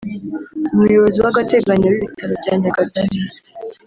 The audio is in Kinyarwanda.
umuyobozi w’agateganyo w’ibitaro bya Nyagatare